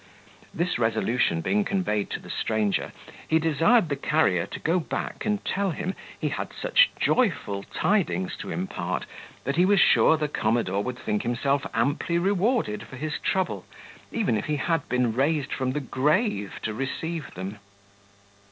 This resolution being conveyed to the stranger, he desired the carrier to go back and tell him, he had such joyful tidings to impart, that he was sure the commodore would think himself amply rewarded for his trouble, even if he had been raised from the grave to receive them.